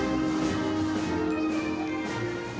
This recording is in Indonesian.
yang ter drilling ini